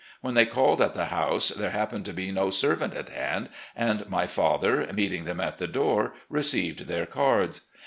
When they called at the house there happened to be no servant at hand, and my father, meeting them at the door, received their cards.